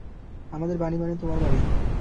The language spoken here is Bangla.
আমাদের বাড়ি মানে তোমার বাড়ি।